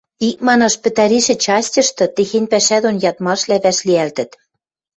Икманаш, пӹтӓришӹ частьышты техень пӓшӓ дон ядмашвлӓ вӓшлиӓлтӹт: